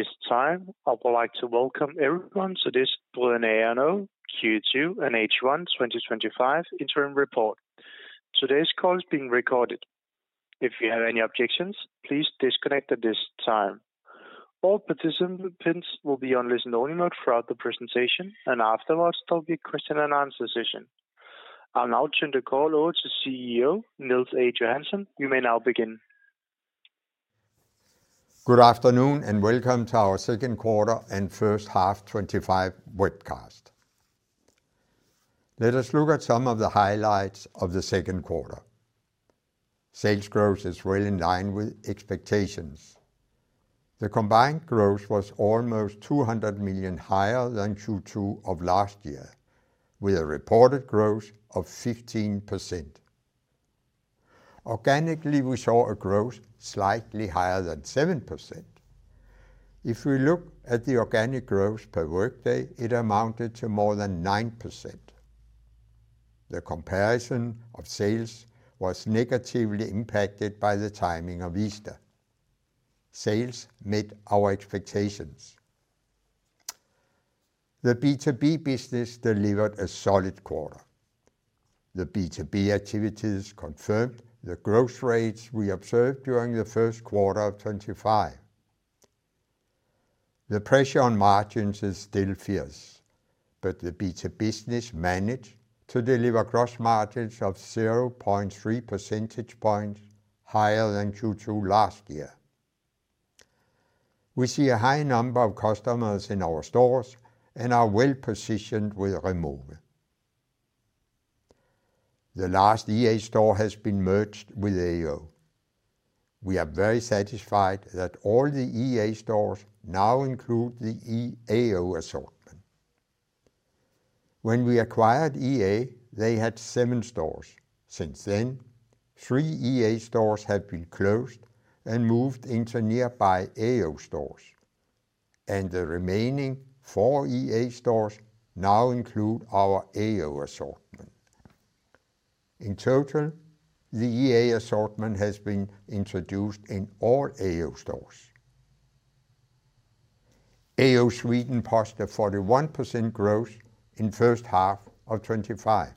At this time, I would like to welcome everyone to this Brødrene A & O Q2 and H1 2025 Interim Report. Today's call is being recorded. If you have any objections, please disconnect at this time. All participants will be on listen-only mode throughout the presentation, and afterwards, there will be a question and answer session. I'll now turn the call over to CEO Niels A. Johansen. You may now begin. Good afternoon and welcome to our second quarter and first half 2025 webcast. Let us look at some of the highlights of the second quarter. Sales growth is well in line with expectations. The combined growth was almost 200 million higher than Q2 of last year, with a reported growth of 15%. Organically, we saw a growth slightly higher than 7%. If we look at the organic growth per workday, it amounted to more than 9%. The comparison of sales was negatively impacted by the timing of Easter. Sales met our expectations. The B2B business delivered a solid quarter. The B2B activities confirmed the growth rates we observed during the first quarter of 2025. The pressure on margins is still fierce, but the B2B business managed to deliver gross margins of 0.3 percentage points higher than Q2 last year. We see a high number of customers in our stores and are well positioned with renewal. The last EA store has been merged with AO. We are very satisfied that all the EA stores now include the EA assortment. When we acquired EA, they had seven stores. Since then, three EA stores have been closed and moved into nearby AO stores, and the remaining four EA stores now include our AO assortment. In total, the EA assortment has been introduced in all AO stores. AO Sweden posted a 41% growth in the first half of 2025.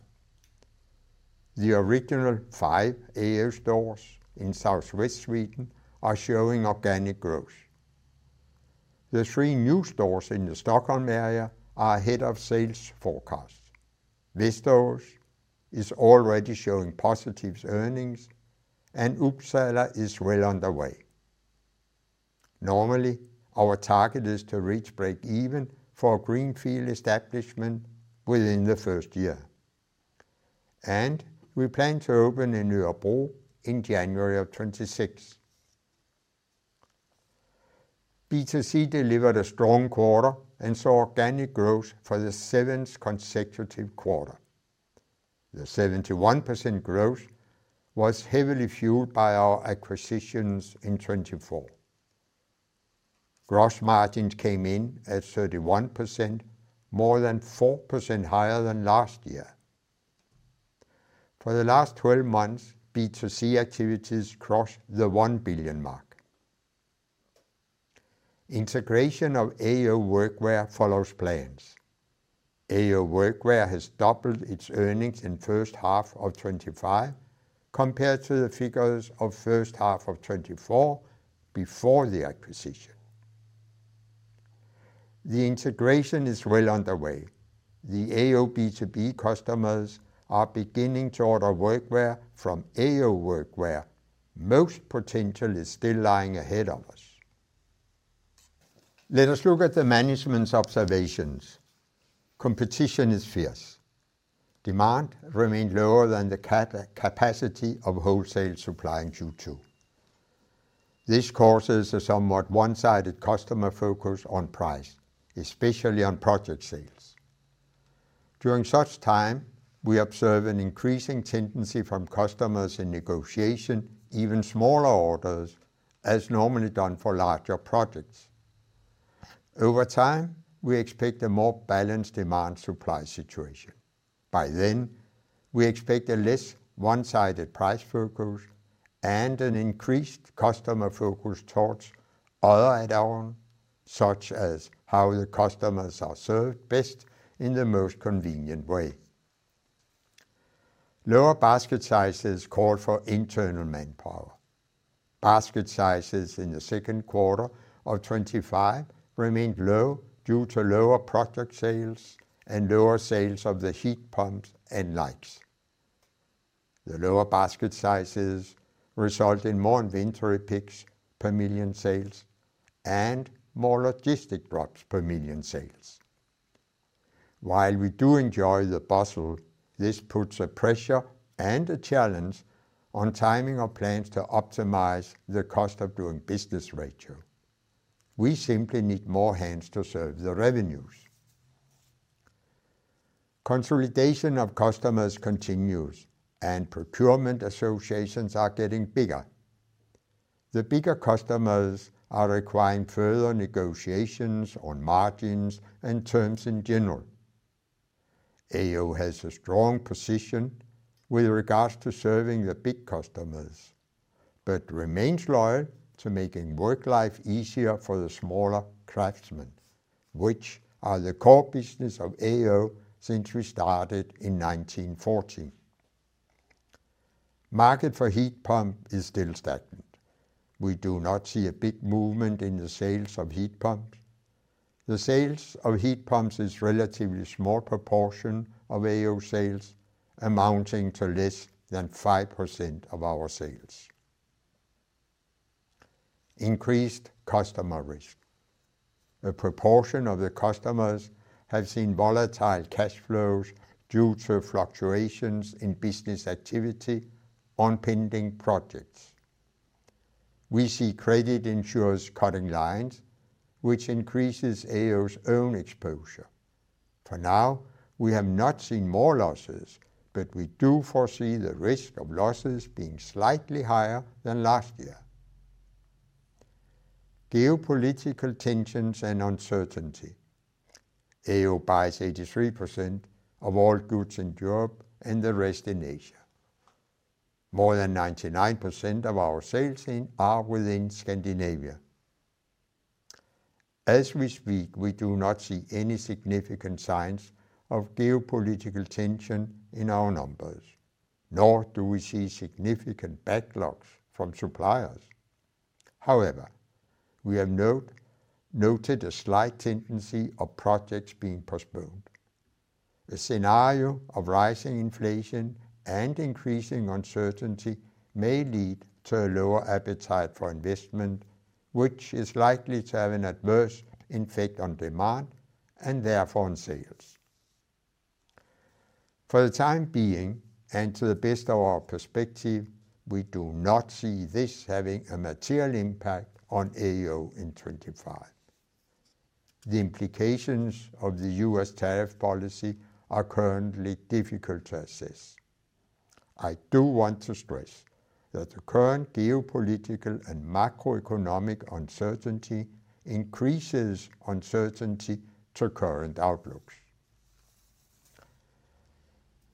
The original five AO stores in Southwest Sweden are showing organic growth. The three new stores in the Stockholm area are ahead of sales forecasts. Västerås is already showing positive earnings, and Uppsala is well underway. Normally, our target is to reach break-even for a Greenfield establishment within the first year, and we plan to open in Örebro in January 2026. B2C delivered a strong quarter and saw organic growth for the seventh consecutive quarter. The 71% growth was heavily fueled by our acquisitions in 2024. Gross margins came in at 31%, more than 4% higher than last year. For the last 12 months, B2C activities crossed the 1 billion mark. Integration of AO Workwear follows plans. AO Workwear has doubled its earnings in the first half of 2025 compared to the figures of the first half of 2024 before the acquisition. The integration is well underway. The AO B2B customers are beginning to order workwear from AO Workwear. Most potential is still lying ahead of us. Let us look at the management's observations. Competition is fierce. Demand remains lower than the capacity of wholesale supply in Q2. This causes a somewhat one-sided customer focus on price, especially on project sales. During such time, we observe an increasing tendency from customers in negotiation even smaller orders, as normally done for larger projects. Over time, we expect a more balanced demand-supply situation. By then, we expect a less one-sided price focus and an increased customer focus towards other add-ons, such as how the customers are served best in the most convenient way. Lower basket sizes called for internal manpower. Basket sizes in the second quarter of 2025 remained low due to lower project sales and lower sales of the heat pumps and likes. The lower basket sizes result in more inventory picks per million sales and more logistic drops per million sales. While we do enjoy the bustle, this puts a pressure and a challenge on timing our plans to optimize the cost of doing business ratio. We simply need more hands to serve the revenues. Consolidation of customers continues, and procurement associations are getting bigger. The bigger customers are requiring further negotiations on margins and terms in general. AO has a strong position with regards to serving the big customers but remains loyal to making work life easier for the smaller craftsmen, which are the core business of AO since we started in 1914. The market for heat pumps is still stagnant. We do not see a big movement in the sales of heat pumps. The sales of heat pumps are a relatively small proportion of AO sales, amounting to less than 5% of our sales. Increased customer risk. A proportion of the customers have seen volatile cash flows due to fluctuations in business activity on pending projects. We see credit insurers cutting lines, which increases AO's own exposure. For now, we have not seen more losses, but we do foresee the risk of losses being slightly higher than last year. Geopolitical tensions and uncertainty. AO buys 83% of all goods in Europe and the rest in Asia. More than 99% of our sales are within Scandinavia. As we speak, we do not see any significant signs of geopolitical tension in our numbers, nor do we see significant backlogs from suppliers. However, we have noted a slight tendency of projects being postponed. The scenario of rising inflation and increasing uncertainty may lead to a lower appetite for investment, which is likely to have an adverse effect on demand and therefore on sales. For the time being, and to the best of our perspective, we do not see this having a material impact on AO in 2025. The implications of the U.S. tariff policy are currently difficult to assess. I do want to stress that the current geopolitical and macroeconomic uncertainty increases uncertainty to current outlooks.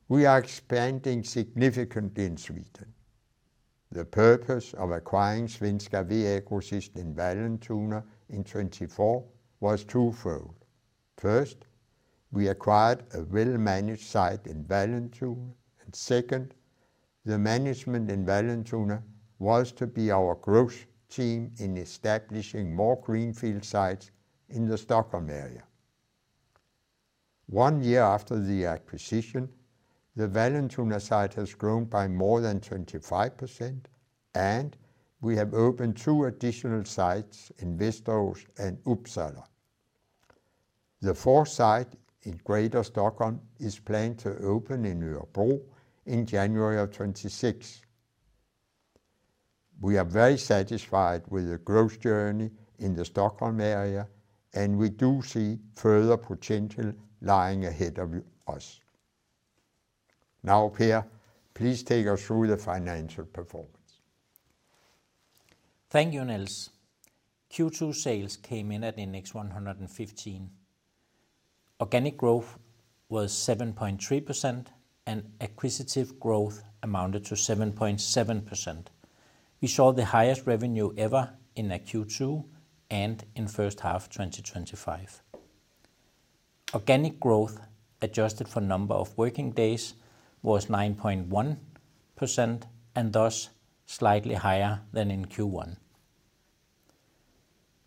We are expanding significantly in Sweden. The purpose of acquiring Svenska VA-Grossisten in Vallentuna in 2024 was twofold. First, we acquired a well-managed site in Vallentuna, and second, the management in Vallentuna wants to be our growth team in establishing more Greenfield sites in the Stockholm area. One year after the acquisition, the Vallentuna site has grown by more than 25%, and we have opened two additional sites in Västerås and Uppsala. The fourth site in Greater Stockholm is planned to open in Örebro in January 2026. We are very satisfied with the growth journey in the Stockholm area, and we do see further potential lying ahead of us. Now, Per, please take us through the financial performance. Thank you, Niels. Q2 sales came in at index 115%. Organic growth was 7.3%, and acquisitive growth amounted to 7.7%. We saw the highest revenue ever in Q2 and in the first half of 2025. Organic growth, adjusted for the number of working days, was 9.1% and thus slightly higher than in Q1.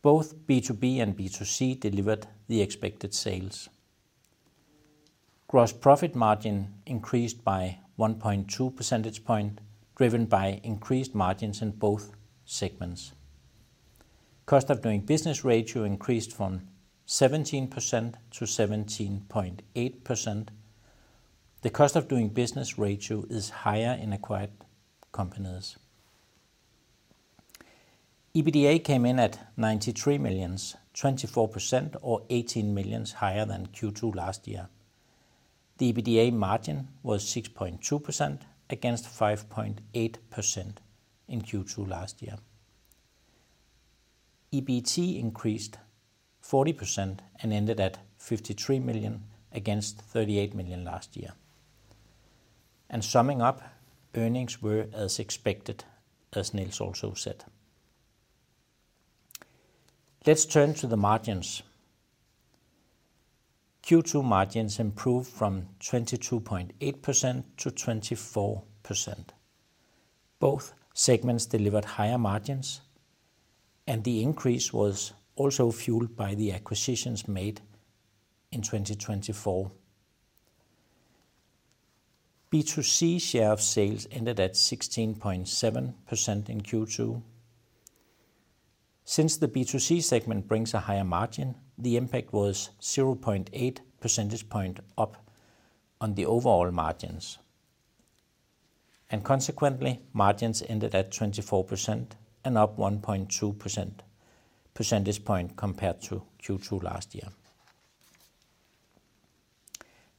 Both B2B and B2C delivered the expected sales. Gross profit margin increased by 1.2 percentage points, driven by increased margins in both segments. Cost of doing business ratio increased from 17% to 17.8%. The cost of doing business ratio is higher in acquired companies. EBITDA came in at 93 million, 24% or 18 million higher than Q2 last year. The EBITDA margin was 6.2% against 5.8% in Q2 last year. EBITDA increased 40% and ended at 53 million against 38 million last year. Summing up, earnings were as expected as Niels also said. Let's turn to the margins. Q2 margins improved from 22.8% to 24%. Both segments delivered higher margins, and the increase was also fueled by the acquisitions made in 2024. B2C share of sales ended at 16.7% in Q2. Since the B2C segment brings a higher margin, the impact was 0.8 percentage point up on the overall margins. Consequently, margins ended at 24% and up 1.2 percentage point compared to Q2 last year.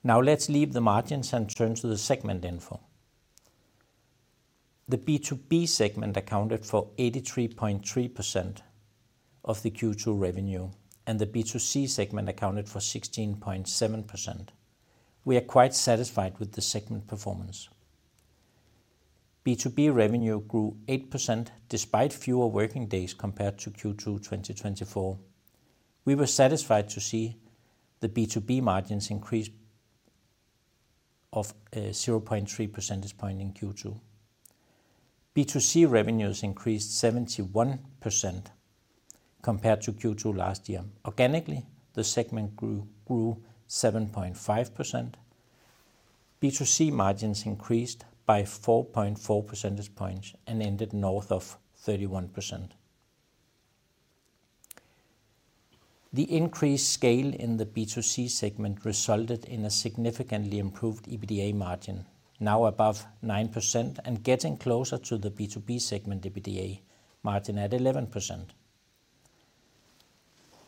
Now let's leave the margins and turn to the segment info. The B2B segment accounted for 83.3% of the Q2 revenue, and the B2C segment accounted for 16.7%. We are quite satisfied with the segment performance. B2B revenue grew 8% despite fewer working days compared to Q2 2024. We were satisfied to see the B2B margins increase of 0.3 percentage point in Q2. B2C revenues increased 71% compared to Q2 last year. Organically, the segment grew 7.5%. B2C margins increased by 4.4 percentage points and ended north of 31%. The increased scale in the B2C segment resulted in a significantly improved EBITDA margin, now above 9% and getting closer to the B2B segment EBITDA margin at 11%.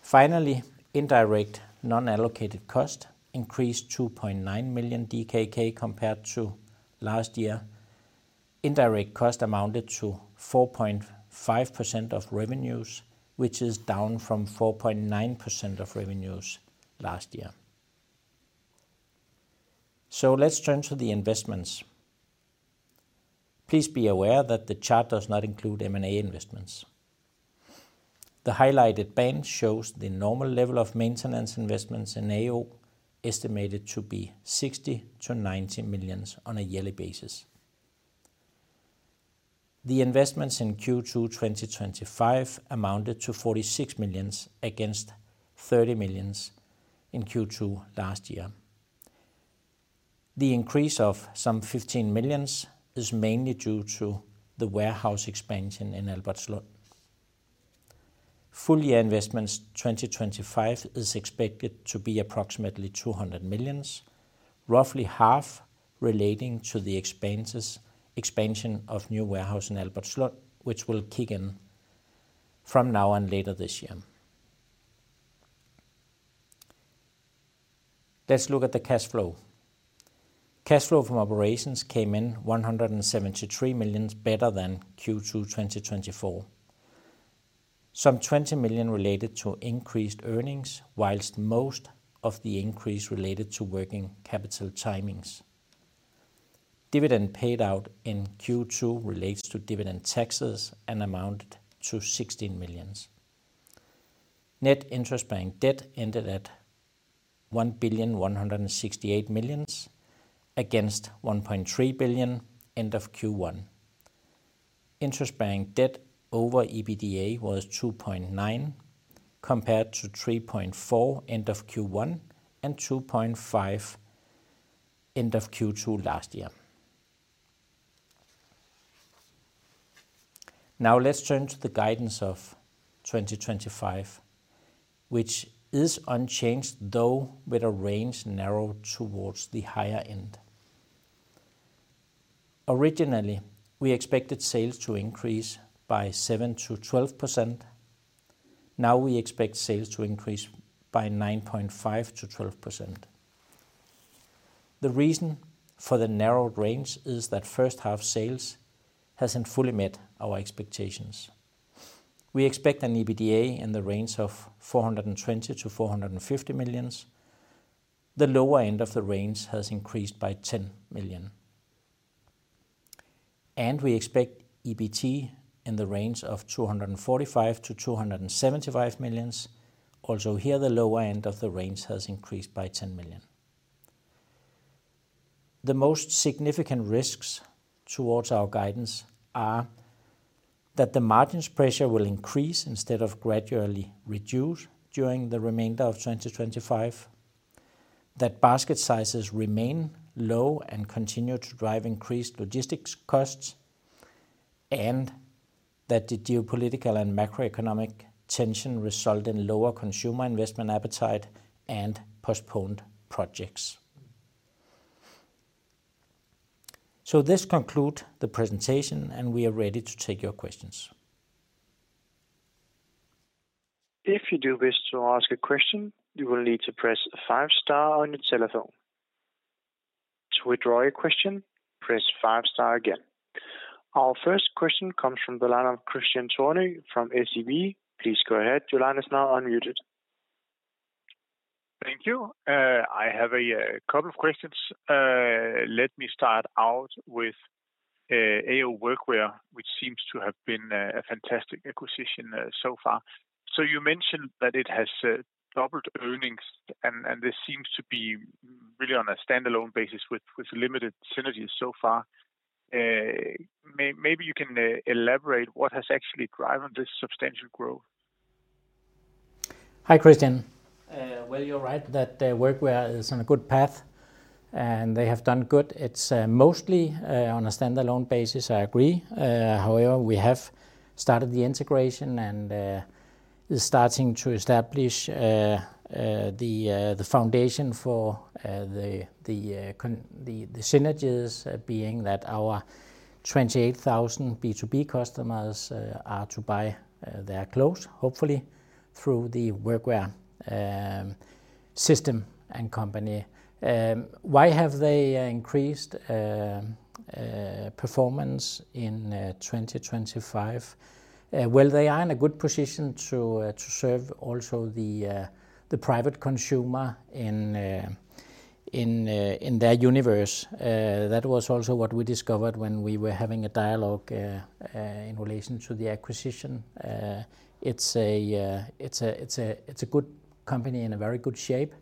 Finally, indirect non-allocated costs increased 2.9 million DKK compared to last year. Indirect costs amounted to 4.5% of revenues, which is down from 4.9% of revenues last year. Let's turn to the investments. Please be aware that the chart does not include M&A investments. The highlighted band shows the normal level of maintenance investments in AO, estimated to be 60 million-90 million on a yearly basis. The investments in Q2 2025 amounted to 46 million against 30 million in Q2 last year. The increase of some 15 million is mainly due to the warehouse expansion in Albertslund. Full-year investments 2025 is expected to be approximately 200 million, roughly half relating to the expansion of new warehouse in Albertslund, which will kick in from now and later this year. Let's look at the cash flow. Cash flow from operations came in 173 million, better than Q2 2024. Some 20 million related to increased earnings, whilst most of the increase related to working capital timings. Dividend paid out in Q2 relates to dividend taxes and amounted to 16 million. Net interest-bearing debt ended at 1.168 billion against 1.3 billion end of Q1. Net interest-bearing debt over EBITDA was 2.9% compared to 3.4% end of Q1 and 2.5% end of Q2 last year. Now let's turn to the guidance of 2025, which is unchanged though with a range narrowed towards the higher end. Originally, we expected sales to increase by 7%-12%. Now we expect sales to increase by 9.5%-12%. The reason for the narrowed range is that the first half sales hasn't fully met our expectations. We expect an EBITDA in the range of 420 million-450 million. The lower end of the range has increased by 10 million. We expect EBITDA in the range of 245 million-275 million. Also here, the lower end of the range has increased by 10 million. The most significant risks towards our guidance are that the margins pressure will increase instead of gradually reduce during the remainder of 2025, that basket sizes remain low and continue to drive increased logistics costs, and that the geopolitical and macroeconomic tension result in lower consumer investment appetite and postponed projects. This concludes the presentation, and we are ready to take your questions. If you do wish to ask a question, you will need to press five star on your telephone. To withdraw your question, press five star again. Our first question comes from the line of Christian Tornøe from SEB. Please go ahead. Your line is now unmuted. Thank you. I have a couple of questions. Let me start out with AO Workwear, which seems to have been a fantastic acquisition so far. You mentioned that it has doubled earnings, and this seems to be really on a standalone basis with limited synergies so far. Maybe you can elaborate what has actually driven this substantial growth? Hi Christian. You're right that the workwear is on a good path, and they have done good. It's mostly on a standalone basis, I agree. However, we have started the integration, and it's starting to establish the foundation for the synergies, being that our 28,000 B2B customers are to buy their clothes, hopefully, through the workwear system and company. Why have they increased performance in 2025? They are in a good position to serve also the private consumer in their universe. That was also what we discovered when we were having a dialogue in relation to the acquisition. It's a good company in a very good shape.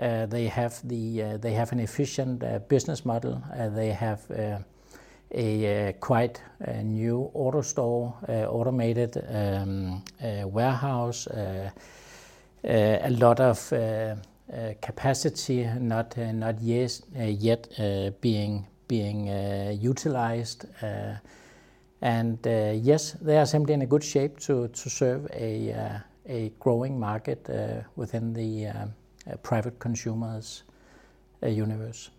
They have an efficient business model. They have a quite new auto store, automated warehouse, a lot of capacity not yet being utilized. Yes, they are simply in a good shape to serve a growing market within the private consumer's universe.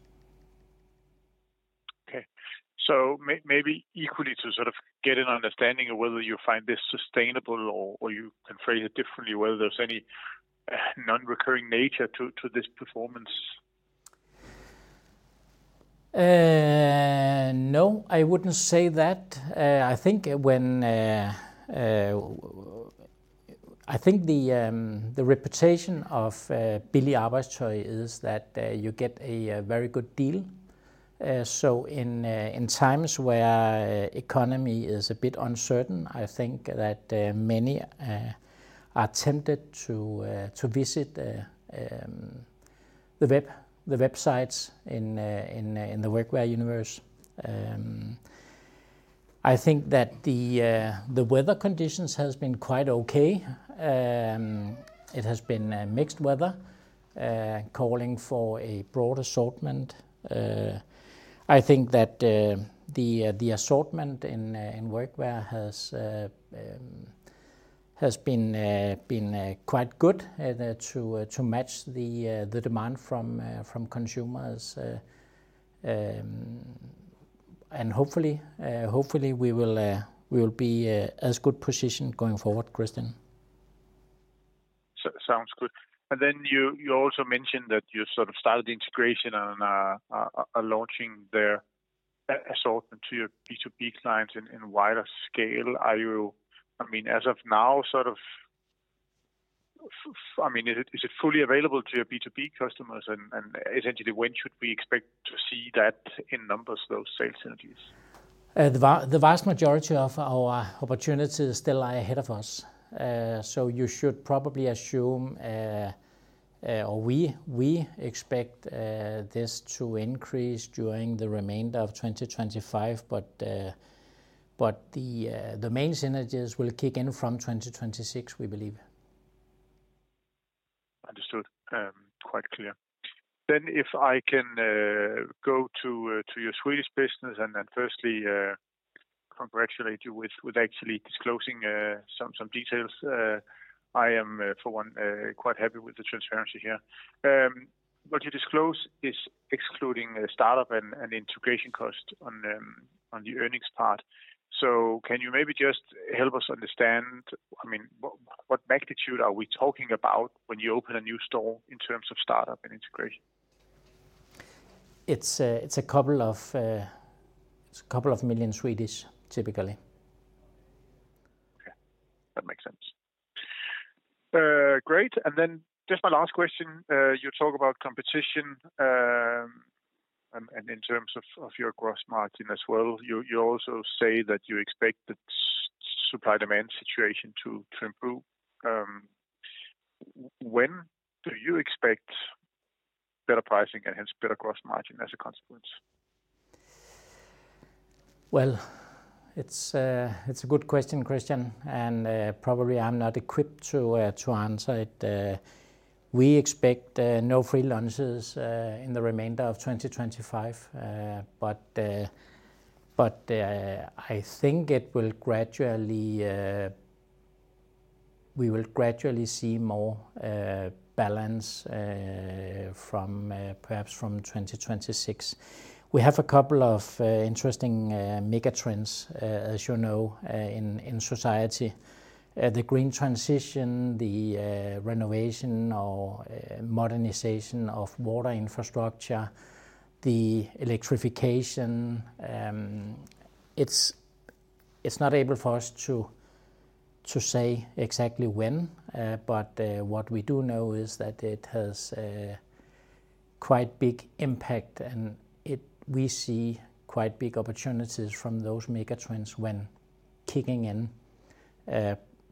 Maybe equally to sort of get an understanding of whether you find this sustainable, or you can phrase it differently, whether there's any non-recurring nature to this performance? No, I wouldn't say that. I think the reputation of AO Workwear is that you get a very good deal. In times where the economy is a bit uncertain, I think that many are tempted to visit the websites in the workwear universe. I think that the weather conditions have been quite okay. It has been mixed weather, calling for a broad assortment. I think that the assortment in workwear has been quite good to match the demand from consumers. Hopefully, we will be in a good position going forward, Christian. Sounds good. You also mentioned that you sort of started the integration and are launching their assortment to your B2B clients in wider scale. Are you, I mean, as of now, is it fully available to your B2B customers? Essentially, when should we expect to see that in numbers, those sales synergies? The vast majority of our opportunities still lie ahead of us. You should probably assume, or we expect this to increase during the remainder of 2025. The main synergies will kick in from 2026, we believe. Understood. Quite clear. If I can go to your Swedish business, firstly, congratulations on actually disclosing some details. I am, for one, quite happy with the transparency here. What you disclose is excluding startup and integration cost on the earnings part. Can you maybe just help us understand what magnitude we are talking about when you open a new store in terms of startup and integration? It's a couple of million Swedish, typically. Okay. That makes sense. Great. Just my last question. You talk about competition. In terms of your gross margin as well, you also say that you expect the supply-demand situation to improve. When do you expect better pricing and hence better gross margin as a consequence? It's a good question, Christian, and probably I'm not equipped to answer it. We expect no free lunches in the remainder of 2025. I think we will gradually see more balance perhaps from 2026. We have a couple of interesting megatrends, as you know, in society: the green transition, the renovation or modernization of water infrastructure, the electrification. It's not able for us to say exactly when, but what we do know is that it has quite a big impact, and we see quite big opportunities from those megatrends when kicking in.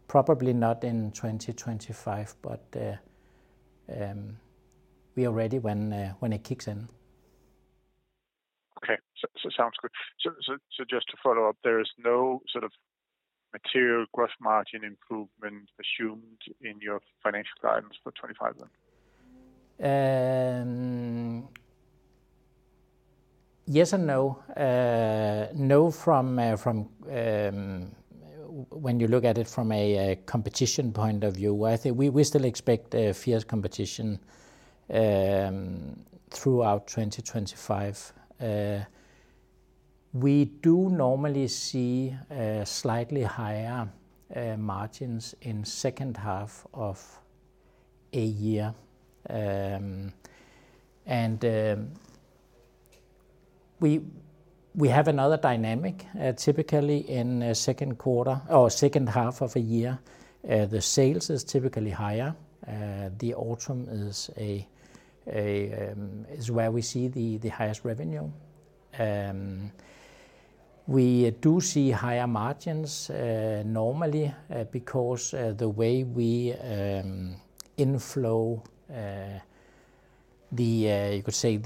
Probably not in 2025, but we are ready when it kicks in. Okay. Sounds good. Just to follow up, there is no sort of material gross margin improvement assumed in your financial guidance for 2025 then? Yes and no. No from when you look at it from a competition point of view, where I think we still expect a fierce competition throughout 2025. We do normally see slightly higher margins in the second half of a year. We have another dynamic. Typically, in the second quarter or second half of a year, the sales are typically higher. The autumn is where we see the highest revenue. We do see higher margins normally because the way we inflow, you could say,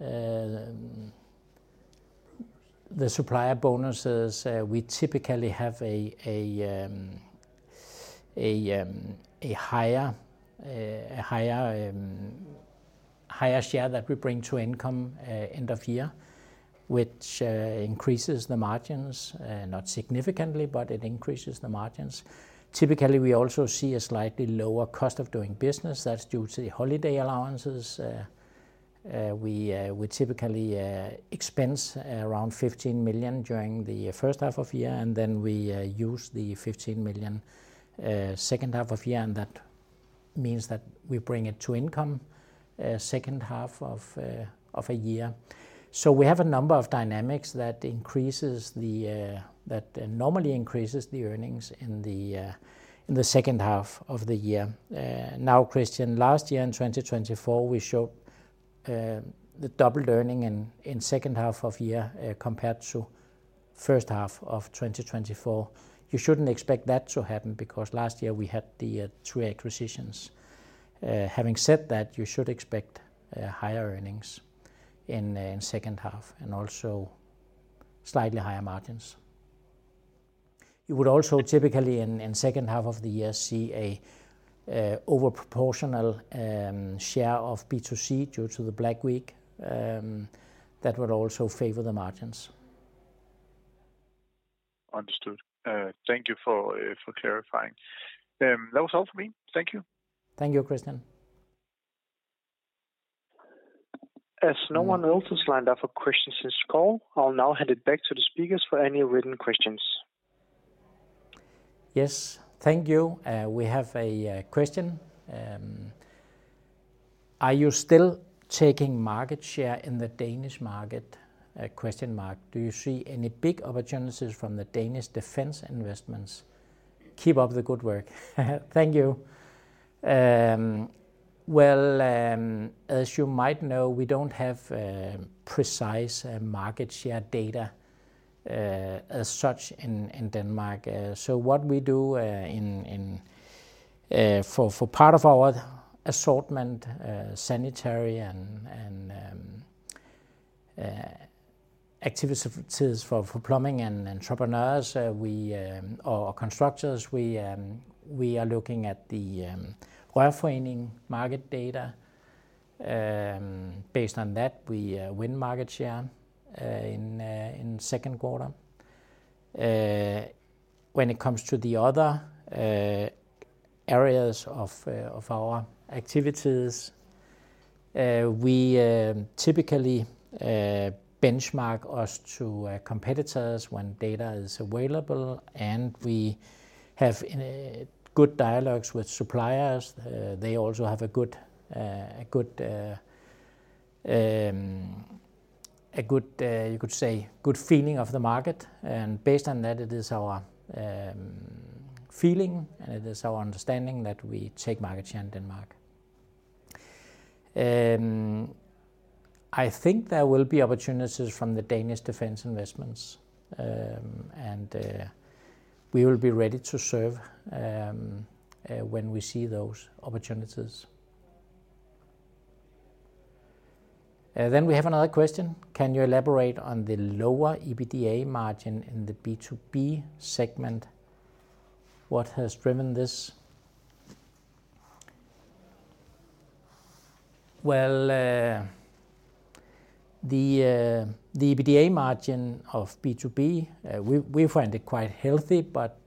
the supplier bonuses, we typically have a higher share that we bring to income end of year, which increases the margins, not significantly, but it increases the margins. Typically, we also see a slightly lower cost of doing business. That's due to the holiday allowances. We typically expense around 15 million during the first half of the year, and then we use the 15 million second half of the year. That means that we bring it to income second half of a year. We have a number of dynamics that normally increase the earnings in the second half of the year. Now, Christian, last year in 2024, we showed the doubled earning in the second half of the year compared to the first half of 2024. You shouldn't expect that to happen because last year we had the three acquisitions. Having said that, you should expect higher earnings in the second half and also slightly higher margins. You would also typically, in the second half of the year, see an overproportional share of B2C due to the Black Week. That would also favor the margins. Understood. Thank you for clarifying. That was all for me. Thank you. Thank you, Christian. As no one else has lined up for questions since the call, I'll now hand it back to the speakers for any written questions. Yes, thank you. We have a question. Are you still taking market share in the Danish market? Do you see any big opportunities from the Danish defense investments? Keep up the good work. Thank you. As you might know, we don't have precise market share data as such in Denmark. For part of our assortment, sanitary and activities for plumbing and entrepreneurs or constructors, we are looking at the Dansk VVS Forening market data. Based on that, we win market share in the second quarter. When it comes to the other areas of our activities, we typically benchmark us to competitors when data is available, and we have good dialogues with suppliers. They also have a good, you could say, good feeling of the market. Based on that, it is our feeling, and it is our understanding that we take market share in Denmark. I think there will be opportunities from the Danish defense investments, and we will be ready to serve when we see those opportunities. We have another question. Can you elaborate on the lower EBITDA margin in the B2B segment? What has driven this? The EBITDA margin of B2B, we find it quite healthy, but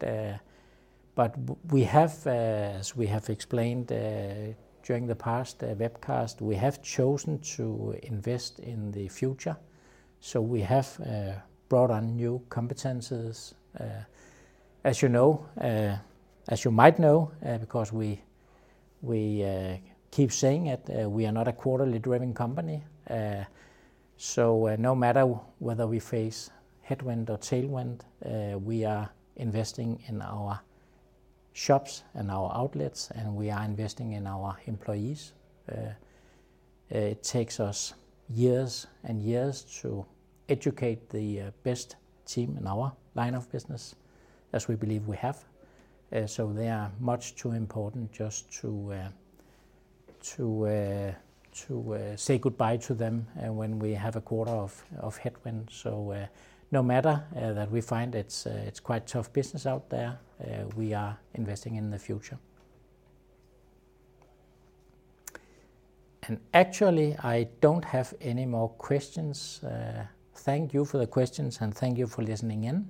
as we have explained during the past webcast, we have chosen to invest in the future. We have brought on new competencies. As you might know, because we keep saying it, we are not a quarterly-driven company. No matter whether we face headwind or tailwind, we are investing in our shops and our outlets, and we are investing in our employees. It takes us years and years to educate the best team in our line of business, as we believe we have. They are much too important just to say goodbye to them when we have a quarter of headwind. No matter that we find it's quite tough business out there, we are investing in the future. Actually, I don't have any more questions. Thank you for the questions, and thank you for listening in.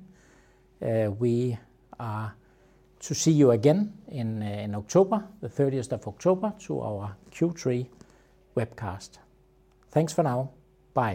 We are to see you again in October, the 30th of October, to our Q3 webcast. Thanks for now. Bye.